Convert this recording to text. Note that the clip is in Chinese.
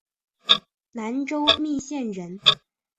南州密县人。